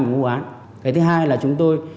và ngu án thứ hai là chúng tôi